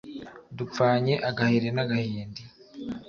Dupfanye agahiri n'agahindi